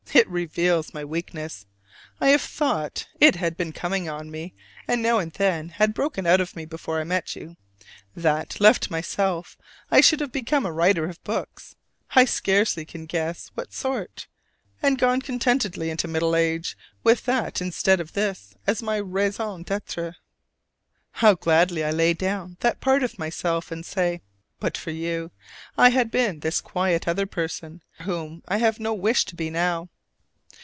It reveals my weakness. I have thought (it had been coming on me, and now and then had broken out of me before I met you) that, left to myself, I should have become a writer of books I scarcely can guess what sort and gone contentedly into middle age with that instead of this as my raison d'être. How gladly I lay down that part of myself, and say "But for you, I had been this quite other person, whom I have no wish to be now"!